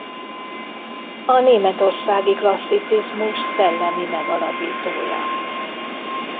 A németországi klasszicizmus szellemi megalapítója.